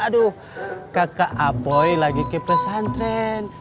aduh kakak aboy lagi ke pesantren